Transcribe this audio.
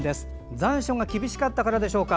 残暑が厳しかったからでしょうか。